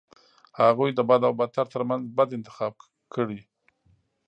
هغوی د بد او بدتر ترمنځ بد انتخاب کړي.